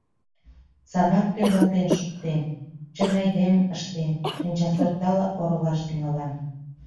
«Садак тӧрлатен шуктем, чын айдемым ыштем, шинчасортала оролаш тӱҥалам.